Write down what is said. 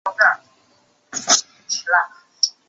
乾隆四十五年公主病逝。